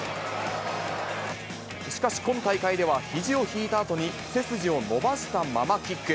しかし、今大会ではひじを引いたあとに、背筋を伸ばしたままキック。